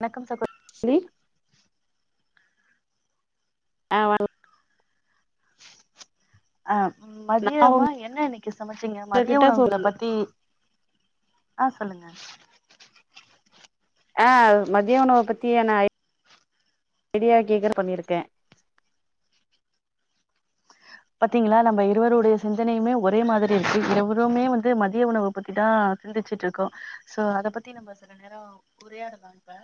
வணக்கம் சகோ நீ ஆ வா ஆ நா மதியமா என்ன இன்னைக்கு சமைச்சிங்க மதிய உங்ககிட்ட இப்போ உணவுகள பத்தி ஆ சொல்லுங்க ஆ மதிய உணவ பத்தியான ஐடியா கேக்க பண்ணிருக்கே பாத்திங்களா நம்ம இருவருடைய சிந்தனையுமே ஒரே மாதிரி இருக்கு இருவருமே வந்து மதிய உணவ பத்திதா சிந்திச்சுட்டு இருக்கோ சோ அத பத்தி நம்ம சில நேர உரையாடலா இப்ப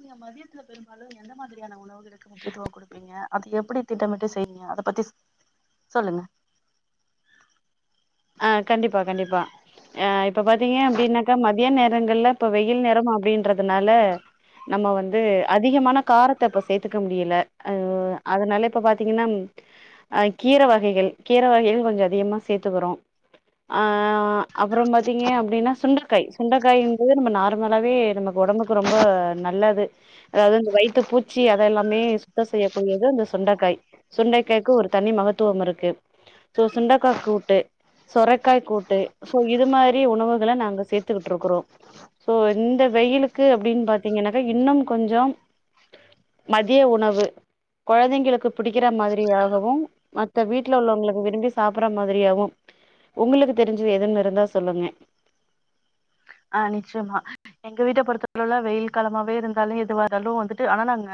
நீங்க மதியத்துல பெரும்பாலு எந்த மாதிரியான உணவுகளுக்கு முக்கியத்துவ கொடுப்பிங்க அது எப்பிடி திட்டமிட்டு செய்விங்க அத பத்தி சொல்லுங்க ஆ கண்டிப்பா கண்டிப்பா ஆ இப்ப பாத்திங்க அப்டின்னாக்கா மதிய நேரங்கள்ல இப்ப வெயில் நேரம் அப்டின்றதுனால நம்ம வந்து அதிகமான காரத்த இப்ப சேத்துக்க முடியல அ அதனால இப்ப பாத்திங்கன்னா அ கீர வகைகள் கீர வகைகள் கொஞ்ச அதிகமா சேத்துக்கறோ ஆ அ அப்பறம் பாத்திங்க அப்டின்னா சுண்டக்காய் சுண்டக்காய் என்பது நம்ப நார்மலாவே நமக் ஒடம்புக்கு ரொம்ப நல்ல து அதாவது இந்த வயித்து பூச்சி அத எல்லாமே சுத்த செய்யக்கூடியது அந்த சுண்டக்காய் சுண்டைக்காய்க்கு ஒரு தனி மகத்துவம் இருக்கு சோ சுண்டைக்கா கூட்டு சொரைக்காய் கூட்டு சோ இது மாரி உணவுகள நாங்க சேத்துக்கிட்டு இருக்கறோ சோ இந்த வெயிலுக்கு அப்டின் பாத்திங்கனாக்கா இன்னும் கொஞ்சம் மதிய உணவு கொழந்தைங்களுக்கு பிடிக்கிற மாதிரியாகவும் மத்த வீட்ல உள்ளவங்களுக்கு விரும்பி சாப்பற மாதிரியாகவும் உங்களுக்கு தெரிஞ்சது எதும் இருந்தா சொல்லுங்க ஆ நிச்சயமா எங்க வீட்ட பொறுத்தளவுல வெயில் காலமாவே இருந்தாலு எதுவாருந்தாலு வந்துட்டு ஆனா நாங்க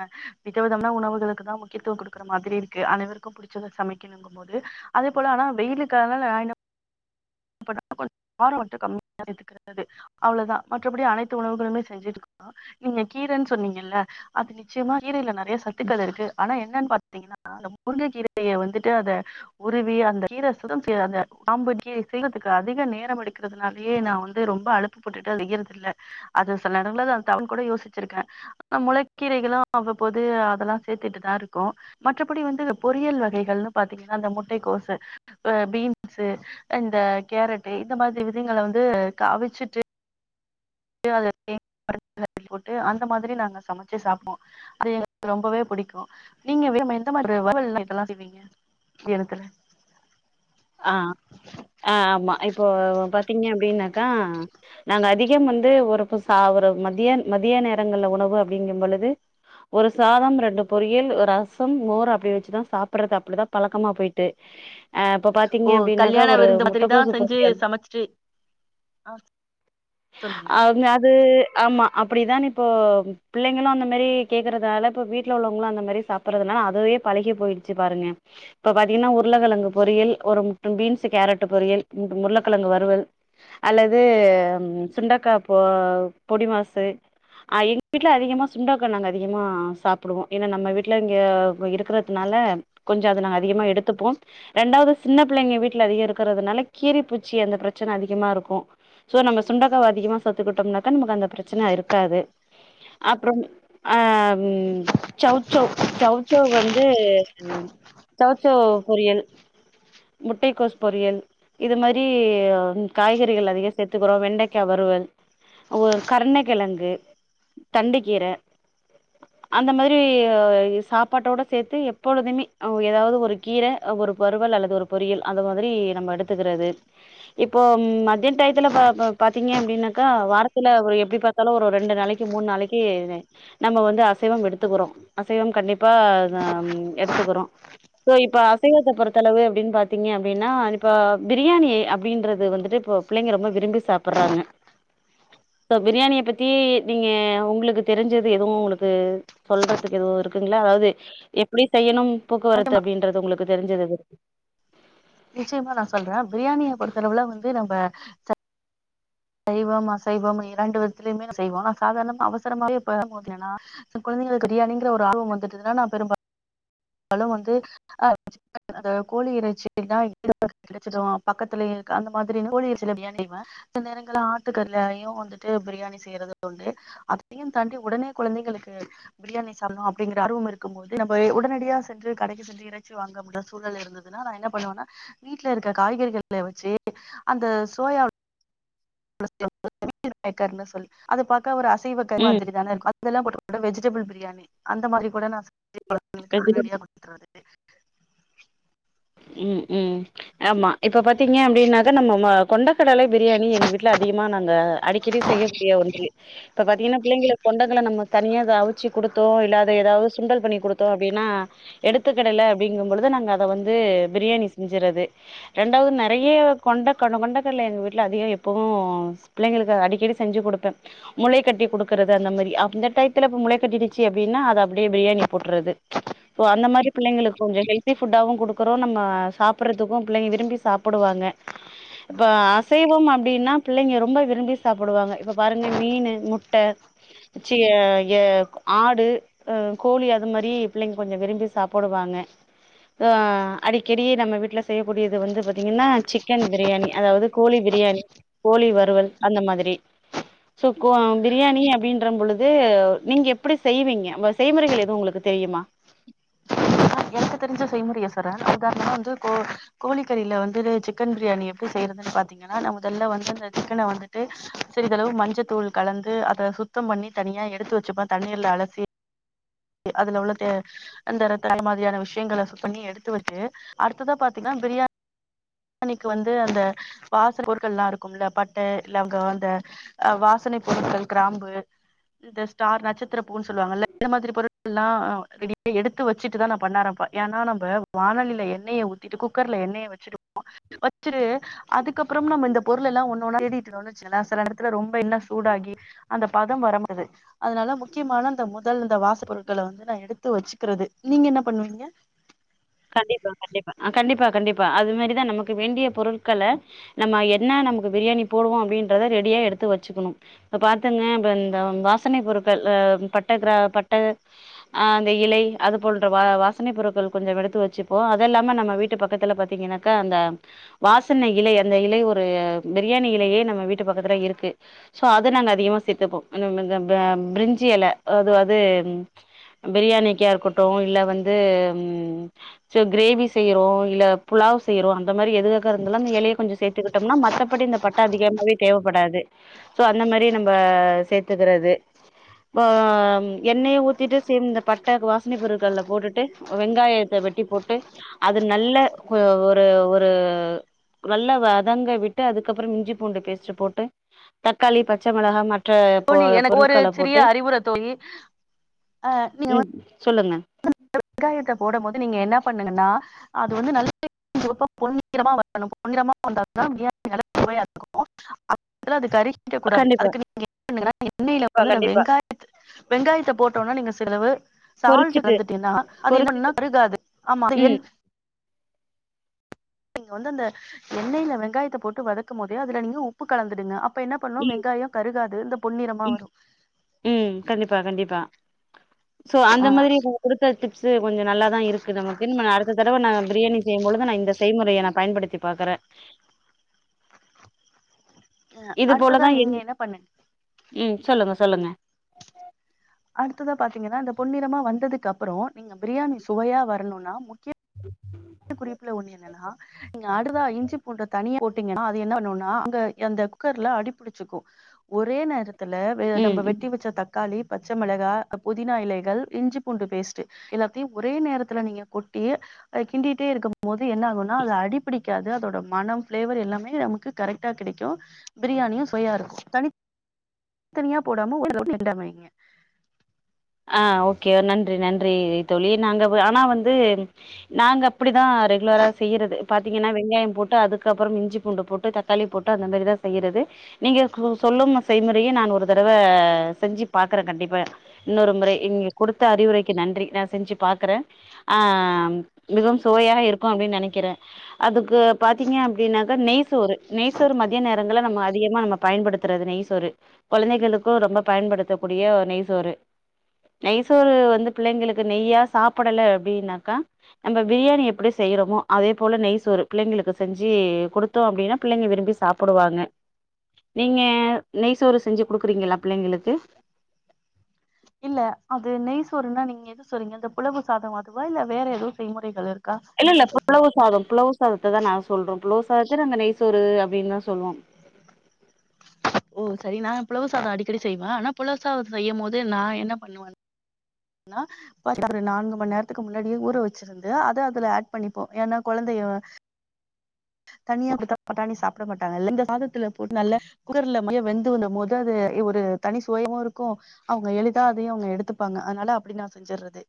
விதவிதமனா உணவுகளுக்குதா முக்கியத்துவ குடுக்குற மாதிரி இருக்கு அனைவருக்கும் பிடிச்சத சமைக்கணுங்கும் போது அதே போல ஆனா வெயிலுக்காக நா என்ன பண்ணுவ கார கொஞ்ச கம்மியா சேத்துக்கறது அவ்ளதா மற்றபடி அனைத்து உணவுகளுமே செஞ்சுக்குவோ நீங்க கீரைன்னு சொன்னிங்கல்ல அது நிச்சயமா கீரையில நறையா சத் ம். துக்கள் இருக்கு ஆனா என்னன் பாத் திங்கனா அந்த முருங்க கீரைய வந்துட்டு அத உருவி அந்த கீர சுத்தம் செய்ய அந்த காம்பு கி ள்றதுக்கு அதிக நேரம் எடுக்கறதுனாலயே நா வந்து ரொம்ப அழுப்பு பட்டுட்டு செய்யறதில்ல அது சில எடங்கள்ல அது தவன் கூட யோசிச்சிருக்கே முளைக்கீரைகளு அவ்வப்போது அதெல்லா சேத்துட்டுதா இருக்கோ மற்றபடி வந்து பொரியல் வகைகள்னு பாத்திங்கனா அந்த முட்டை கோசு பீன்ஸு இந்த கேரட்டு இந்த மாதிரி விதங்கள வந்து காவிச்சுட்டு [inaudible] போட்டு அந்த மாதிரி நாங்க சமச்சு சாப்டுவோ அது எங்ளுக்கு ரொம்பவே பிடிக்கு நீங்க எந்த மாதிரி வருவல் இதெல்லா செய்விங்க மத்யானத்துல ஆ ஆ ஆமா இப்போ பாத்திங்க அப்டின்னாக்கா நாங்க அதிகம் வந்து ஒருப்ப சா ஒரு மதிய மதிய நேரங்கள்ல உணவு அப்டிங்கும் பொழுது ஒரு சாதம் ரெண்டு பொரியல் ரசம் மோர் அப்டி வெச்சுதா சாப்படறது அப்படிதா பழக்கமா போயிட்டு அ திங்க ஓ அப்டின்னாக்க கல்யாண ஒரு விருந்து மாதிரி தா முட்டகோசு செஞ்சு பொறியல் சமைச்சிட்டு ஆ சொல்லுங்க அ அங்க அது ஆமா அப்படிதான் இப்போ பிள்ளைங்களு அந்த மாரி கேக்குறதுனால இப்ப வீட்ல உள்ளவங்களு அந்த மாரி சாப்பிடுறதுனால அதுவே பழகி போயிடுச்சு பாருங்க இப்ப பாத்திங்கனா உருள கெழங்கு பொரியல் ஒரு ம் பீன்ஸு கேரட்டு பொரியல் உருளைக்கெழங்கு வறுவல் அல்லது சுண்டக்கா பொ பொடி மாசு அ எங்க வீட்ல அதிகமா சுண்டக்கா நாங்க அதிகமா சாப்படுவோ ஏனா நம்ம வீட்ல இங்க இருக்கிறதுனால கொஞ்ச அத நாங்க அதிகமா எடுத்துப்போம் ரெண்டாவுது சின்ன பிள்ளைங்க வீட்ல அதிக இருக்கிறதுனால கீரி பூச்சி அந்த பிரச்சன அதிகமா இருக்கு சோ நம்ம சுண்டக்காவ அதிகமா சேத்துக்கிட்டோம்னாக்க நமக்கு அந்த பிரச்சன இருக்காது அப்புறம் அ சௌசௌ சௌசௌ வந்து சௌசௌ பொரியல் முட்டைக்கோஸ் பொரியல் இது மாரி காய்கறிகள் அதிக சேத்துக்கறோ வெண்டைக்கா வறுவல் ஒ கருண கெழங்கு தண்டு கீர அந்த மாதிரி சாப்பாட்டோட சேத்து எப்பொழுதுமே அ எதாவது ஒரு கீர ஒரு வறுவல் அல்லது ஒரு பொறியல் அது மாதிரி நம்ம எடுத்துக்கறது இப்போ மதிய டயத்துல பா பா பாத்திங்க அப்டின்னாக்கா வாரத்துல எப்டி பாத்தாலு ஒரு ரெண்டு நாளைக்கு மூணு நாளைக்கு நம்ம வந்து அசைவம் எடுத்துக்கறோ அசைவம் கண்டிப்பா அ எடுத்துக்கறோ சோ இப்ப அசைவத்த பொறுத்தளவு எப்டின் பாத்திங்க அப்டின்னா இப்ப பிரியாணி அப்டின்றது வந்துட்டு இப்ப பிள்ளைங்க ரொம்ப விரும்பி சாப்படறாங்க இப்போ பிரியாணிய பத்தி நீங்க உங்களுக்கு தெரிஞ்சது எதுவு உங்களுக்கு சொல்றதுக்கு எதுவு இருக்குங்ளா அதாவுது எப்படி செய்யணும் போக்குவரத்து ஆமா, அப்படின்றது உங்களுக்கு தெரிஞ்சது அது நிச்சயமா நா சொல்றே பிரியாணிய பொறுத்தளவுல வந்து நம்ப ச சைவம் அசைவம் இரண்டு விதத்துலயுமே செய்வோ சாதாரணமா அவசரமாவே இப்ப ஏன்னா குழந்தைங்களுக்கு பிரியாணிங்கிற ஒரு ஆர்வ வந்துட்டுதுனால நா பெரும் பாலு வந்து ஹ அது கோழி இறைச்சினா [inaudible] கிடைச்சிடு பக்கத்துலயே கு அந்த மாதிரி கோழில சில பிரியாணி செய்வே சில நேரங்கள்ல ஆட்டு கறிலயு வந்துட்டு பிரியாணி செய்யறது உண்டு அதையும் தாண்டி உடனே குழந்தைங்களுக்கு பிரியாணி சாப்படணு அப்படிங்கிற ஆர்வம் இருக்கும் போது நம்ம உடனடியா சென்று கடைக்கு சென்று இறைச்சி வாங்க முடில சூழல் இருந்ததுன்னா நா என்ன பண்ணுவேன்னா வீட்டுல இருக்க காய்கறிகள வச்சு அந்த சோயா [inaudible] மீல்மேக்கர்னு சொல் அது பார்க்க ஒரு அ சீவக்காய் ம் மாதிரி தானே இருக்கு அதெல்லா போட்டு கூட வெஜிடபிள் [inaudible] பிரியாணி அந்த மாதிரி கூட நா சு பசங்களுக்கு உடனடியா குடுத்தர்றது உம் உம் ஆமா இப்ப பாத்தீங்க அப்படின்னாக்க நம்ம கொண்டைக்கடலை பிரியாணி எங்க வீட்டுல அதிகமா நாங்க அடிக்கடி செய்ய கூடிய ஒன்று இப்ப பாத்தீங்கன்னா பிள்ளைங்களுக்கு கொண்டைங்கடலை நம்ம தனியா அவிச்சு குடுத்தோ இல்ல அது ஏதாவது சுண்டல் பண்ணி குடுத்தோ அப்படின்னா எடுத்துக்கிடல அப்படிங்கும் பொழுது நாங்க அதை வந் து பிரியாணி செஞ்சர்றது ரண்டாவது நறைய கொண்ட கொண்டைக்கடலை எங்க வீட்ல அதிக எப்பவு பிள்ளைகளுக்கு அடிக்கடி செஞ்சு குடுப்பே முளைகட்டி குடுக்கறது அந்தமாரி அந்த டைத்ல முளைகட்டிருச்சு அப்படீன்னா அத அப்படியே பிரியாணி போட்டுறது அந்த மாதிரி பிள்ளைகளுக்கு ஹெல்த்தி ஃபுட்டாவு குடு க்கறோ நம்ம சாப்பிடறதுக்கு பிள்ளைங்க விரும்பி சாப்பிடுவாங்க இப்ப அசைவம் அப்படின்னா பிள்ளைங்க ரொம்ப விரும்பி சாப்பிடுவாங்க இப்ப பாருங்க மீனு முட்டை சி அ ஆடு கோழி அது மாதிரி பிள்ளைங்க கொஞ்ச விரும்பி சாப்பிடுவாங்க அ அடிக்கடி நம்ம வீட்டுல செய்யக்கூடியது வந்து பாத்தீங்கன்னா சிக்கன் பிரியாணி அதாவது கோழி பிரியாணி கோழி வறுவல் அந்த மாதிரி சோ கோ பிரியாணி அப்படின்றம் பொழுது நீங்க எப்படி செய்வீங்க செய்முறைகள் எதுவு உங்களுக்கு தெரியுமா எனக்கு தெரிஞ்ச செய்முறைய சொல்றே உதாரணமா வந்து கோ கோழிக்கறியில வந்து சிக்கன் பிரியாணி எப்படி செய்யறதுன்னு பாத்தீங்கன்னா மொதல்ல வந்து அந்த சிக்கனை வந்துட்டு சிறிதளவு மஞ்சத்தூள் கலந்து அத சுத்தம் பண்ணி தனியா எடுத்து வச்சுப்பே தண்ணீர்ல அலசி அதுல உள்ள த ரத்த மாதிரியான விஷயங்கள பண்ணி எடுத்து வச்சு அடுத்ததா பாத்தீங்கன்னா பிரியா ணிக்கு வந்து அந்த வாசப் பொருட்கள் எல்லா இருக்கும்ல்ல பட்டை லவங்கம் அந்த அ வாசனை பொருட்கள் கிராம்பு இந்த ஸ்டார் நட்ச த்திரப்பூ சொல்லுவாங்கல்ல இந்த மாதிரி பொருட் கள் லா ரெடியா எடுத்து வச்சுட்டு தா நா பண்ண ஆரம்பப்ப ஏன்னா நம்ப வாணலியில எண்ணெய ஊத்திட்டு குக்கர்ல எண்ணெயை வச்சுட்டு வச்சுரு அதுக்கப்புறம் நம்ம இந்த பொருள் எல்லா ஒண்ணொண்ணா தேடிட்டு இருந்தன் வச்சுக்குங்களே சில எடத்துல ரொம்ப எண்ணெ சூடாகி அந்த பதம் வராது அதனால முக்கியமான அந்த முதல் இந்த வாச பொருட்களை வந்து நா எடுத்து வச்சுக்கறது நீங்க என்ன பண்ணுவீங்க கண்டிப்பா கண்டிப்பா கண்டிப்பா கண்டிப்பா அது மாரிதா நமக்கு வேண்டிய பொருட்கள நம்ம என்ன நமக்கு பிரியாணி போடுவோ அப்படின்றத ரெடியா எடுத்து வச்சுக்கணு இப்ப பாத்துங்க இப்ப இந்த வாசனை பொருட்கள்ஹ பட்ட கிர பட்ட அஹ் இந்த இலை அது போன்ற வா வாசனை பொருட்கள் கொஞ்சம் எடு த்து வச்சுப்போ அது இல்லாம நம்ம வீட்டு பக்கத்துல பாத்தீங்கன்னாக்கா அந்த வாசனை இலை அந்த இலை ஒரு பிரியாணி இலையே நம்ம வீட்டு பக்கத்துல இருக்கு சோ அது நாங்க அதிகமா சேத்துப்போ த ப பிரிஞ்சி இலை அதாது பிரியாணிக்கா இருக்கட்டு இல்ல வந்து சோ கிரேவி செய்யறோ இல்ல புலாவ் செய்யறோ அந்த மாரி எதுக்காக இருந்தாலு அந்த எலைய கொஞ்ச சேத்து கிட்டோம்னா மத்தபடி இந்த பட்டை அதிகமாவே தேவைப்படாது சோ அந்த மாதிரி நம்ம சேத்துக்கிறது இப்போ எண்ணெயை ஊத்திட்டு ச இந்த பட்டை வாசனை பொருட்கல போட்டுட்டு வெங்காய த்த வெட்டி போட்டு அது நல்ல ஒரு ஒரு நல்ல வதங்க விட்டு அதுக்கப்புறம் இஞ்சி பூண்டு பேஸ்ட்டு போட்டு தக்காளி பச்சை மிளகா பொ தோழி எனக்கு ஒரு பொருட்கள சிறிய போட்டு அறிவுரை தோழி அஹ் நீ ம் சொல்லுங்க வெங்காயத்தை போடம் போது நீங்க என்ன பண்ணுங்கன்னா அது வந்து நல்ல பொன்னிறமா வரணு பொன்னிறமா வந்தாதா பிரியாணி நல்லா சுவையா இருக்கு அப்பற [inaudible] க கூடாது கண்டிப்பா அதுக்கு நீங்க என்ன பண்ணுங்கனா எண்ணெயில கண்டிப்பா வ கண்டிப்பா வெங்காயத்து வெங்காயத்தை போட்டோனோ நீங்க செலவு சால்ட் பொரிச்சுட்டு கலந்துட்டேன்னா அது என்னன்னா பொரிச்சுட்டு கருகாது ஆமா அது என் ம் நீங்க வந்து அந்த எண்ணெயில வெங்காயத்தை போட்டு வதக்கும் போதே அதுல நீங்க உப்பு கலந்துடுங்க அப்ப என்ன பண்ணும் ம் வெங்காயம் கருகாது இந்த பொன்னிறமா ம் வரு ம் கண்டிப்பா கண்டிப்பா சோ அந்த மாதிரி நீங்க குடுத்த டிப்ஸு கொஞ்ச நல்லாதா இருக்கு நமக்கு அடுத்த தடவை நா பிரியாணி செய்யும்பொழுது நா இந்த செய்முறையை நா பயன்படுத் த்தி பாக்குற அஹ் அடுத்ததா நீங்க என்ன பண்ணு ம் சொல்லுங்க சொல்லுங்க அடுத்ததா பாத்தீங்கன்னா இந்த பொன்னிறமா வந்ததுக்கு அப்புறோ நீங்க பிரியாணி சுவையா வரணும்னா முக்கிய குறிப்ல ஒண்ணு என்னனா நீங்க அதுதா இஞ்சி பூண்ட தனியா போட்டிங்ன்னா அது என்ன பண்ணுனா அங்க அந்த குக்கர்ல அடிபுடிச்சிக்கு ஒரே நேரத் ல நம்ப ம் ம் வெட்டி வெச்ச தக் காளி பச்ச மிளகா புதினா இலைகள் இஞ்சி பூண்டு பேஸ்ட்டு எல்லாத்தியு ஒரே நேரத்ல நீங்க கொட்டி அத கிண்டிட்டே இருக்கும்போது என்ன ஆகுனா அது அடிப்பிடிக்காது அதோட மனம் ஃப்ளேவர் எல்லாமே நமக்கு கரெக்ட்டா கெடைக்கு பிரியாணியு சுவயா இருக்கு தனித் தனியா போடாம ஒன் [inaudible] ரெண்டா வெய்ங்க ஆ ஓக்கே நன்றி நன்றி தோழி நாங்க வ ஆனா வந்து நாங்க அப்டிதா ரெகுலரா செய்யறது பாத்திங்கன்னா வெங்காயம் போட்டு அதுக்கப்புறம் இஞ்சி பூண்டு போட்டு தக்காளி போட்டு அந்த மாரிதா செய்யறது நீங்க சொ சொல்லும் செய்முறயே நா ஒரு தடவ செஞ்சு பாக்கற கண்டிப்பா இன்னொரு முறை நீங் கொடுத்த அறிவுரைக்கு நன்றி நா செஞ்சு பாக்குற ஆ மிகவும் சுவையா இருக்கு அப்டின்னு நெனைக்கிற அதுக்கு பாத்திங்க அப்டினாக்கா நெய்சோறு நெய்சோறு மதிய நேரங்கல்ல நம்ம அதிகமா நம்ம பயன்படுத்துறது நெய்சோறு கொழந்தைகளுக்கு ரொம்ப பயன்படுத்தக் கூடிய ஒரு நெய்சோறு நெய்சோறு வந்து பிள்ளைங்களுக்கு நெய்யா சாப்படல அப்டினாக்கா நம்ம ப்ரியாணி எப்டி செய்யறமோ அதே போல நெய்சோறு பிள்ளைங்ளுக்கு செஞ்சூ குடுத்தோ அப்டின்னா பிள்ளைங்க விரும்பி சாப்புடுவாங்க நீங்க நெய்சோறு செஞ்சு குடுக்கறீங்ளா பிள்ளைங்களுக்கு இல்ல அது நெய்சோறுனா நீங்க எது சொறீங்க இந்த புலவு சாதோ அதுவா இல்ல வேற எதுவு செய்முறைகள் இருக் இல்ல இல்ல புலவு சாதம் புலவு சாதத்ததா நா சொல்ற புலவ் சாதத்த நாங்க நெய் சோரு அப்டின்னு சொல்லுவோ ம் செரி நா புலவ் சாதோ அடிக்கடி செய்வ ஆனா புலவுசாதோ செய்யும்போது நா என்ன பண்ணுவனா நா பாத்ரனா நான்கு மண் நேரத்துக்கு முன்னாடியே ஊற வெச்சிருந்து அத அதுல ஆட் பண்ணிப்போ ஏனா கொழந்தய தனியா அப்டித்தா பட்டாணி சாப்ட மாட்டாங்கல்ல இந்த சாதத்ல போட்டு நல்லா குக்கர்ல மைய்ய வெந்து வந்த மோது அது ஒரு தனி சுவயாவுருக்கு அவுங்க எளிதா அதயு அவுங்க எடுத்துப்பாங்க அதனால அப்டி நா செஞ்சர்றது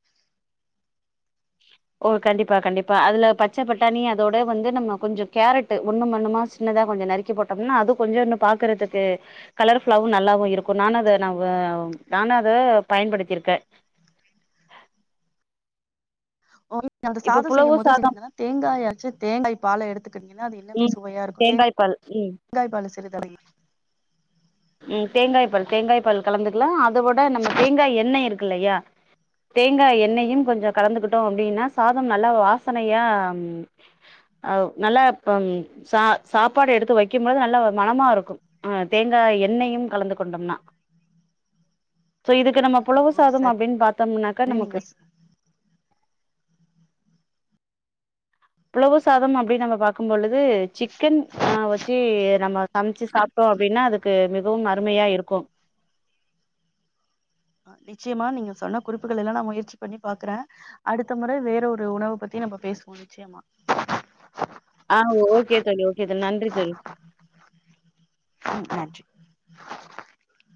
ஓ கண்டிப்பா கண்டிப்பா அதுல பச்சப் பட்டாணி அதோட வந்து நம்ம கொஞ்சோ கேரட்டு ஒண்ணும் பண்ணுமா சின்னதா கொஞ்சோ நறுக்கி போட்டோம்னா அது கொஞ்சோ இன்னும் பாக்கறத்துக்கு கலர்ஃபுல்லாவு நல்லாவு இருக்கு நானு அத நா நானும் அத பயன்படுத்திருக்க ஒன் ங்க அந்த சாதோ புலவு செய்யுமோது சாதம் [unintelligible] கன்னா தேங்காய வெச்சி தேங்காய் பால எடுத்துக்ட்டிங்ன்னா அது இன்னுமே ம் சுவயாருக்கு தேங் தேங்காய் பால் ம் காய் பால சிறித உம் தேங்காய் பால் தேங்காய்ப் பால் கலந்துக்லா அத விட நம்ம தேங்காய் எண்ணெய் இருக்குல்லையா தேங்காய் எண்ணெயும் கொஞ்சோ கலந்துகிட்டோம் அப்டின்னா சாதம் நல்லா வாசனையா ம் நல்ல சா சாப்பாடு எடுத்து வைக்கும்மோது நல்ல மனமாருக்கு ஆ தேங்காய் எ எண்ணெயும் கலந்து கொண்டம்னா சோ இதுக் இதுக்கு நம்ம புலவு ஓ சாதம் சரி அப்டின் பாத்தமுனாக்கா நமக்கு நீங்க புலவு சாதம் அப்டின் நம்ம பாக்கும் பொழுது சிக்கன் அ வெச்சி நம்ம சம்ச்சி சாப்ட்டோ அப்டின்னா அதுக்கு மிகவும் அருமயா இருக்கு நிச்சியமா நீங்க சொன்ன குறிப்புகள் எல்லா நா முயற்சி பண்ணி பாக்குற அடுத்த முறை வேற ஒரு உணவ பத்தி நம்ப பேஸ்வோ நிச்சியமா ஆ ஓக்கே தோழி ஓக்கே தோழி நன்றி தோழி ம் [inaudible]